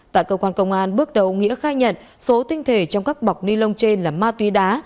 tại cơ quan công an bước đầu nghĩa khai nhận số tinh thể trong các bọc ni lông trên là ma túy đá